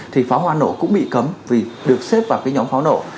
thì pháo hoa nổ cũng bị cấm vì được xếp vào cái nhóm pháo nổ